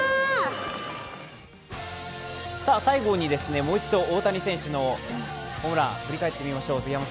最後にもう一度、大谷選手のホームラン振り返ってみましょう。